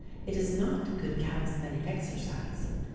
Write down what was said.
It is not good calisthenic exercise.